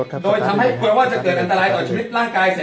ตำรวจแห่งมือ